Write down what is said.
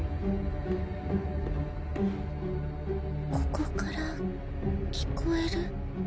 ここから聞こえる？